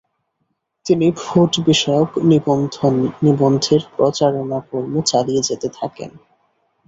তিনি ভোটবিষয়ক নিবন্ধের প্রচারণাকর্ম চালিয়ে যেতে থাকেন।